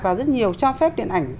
vào rất nhiều cho phép điện ảnh